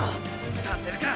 させるか！